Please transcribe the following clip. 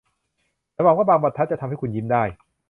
ฉันหวังว่าบางบรรทัดจะทำให้คุณยิ้มได้